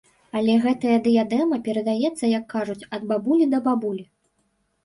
Але гэтая дыядэма перадаецца, як кажуць, ад бабулі да бабулі.